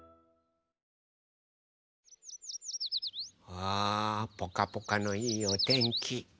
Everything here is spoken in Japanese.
あぽかぽかのいいおてんき。